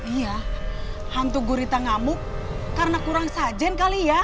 iya hantu gurita ngamuk karena kurang sajen kali ya